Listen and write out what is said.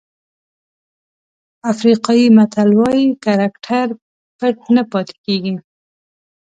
افریقایي متل وایي کرکټر پټ نه پاتې کېږي.